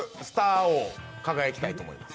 王に輝きたいと思います。